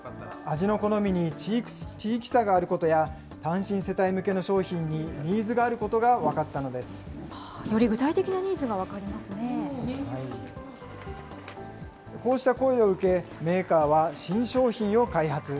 味の好みに地域差があることや、単身世帯向けの商品にニーズより具体的なニーズが分かりこうした声を受け、メーカーは新商品を開発。